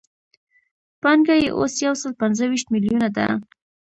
پانګه یې اوس یو سل پنځه ویشت میلیونه ده